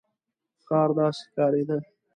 ښار داسې ښکارېده.